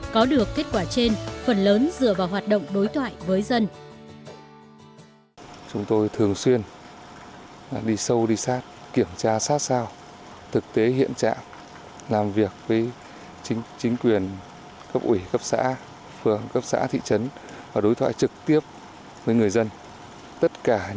có được kết quả trên phần lớn dựa vào hoạt động đối thoại với dân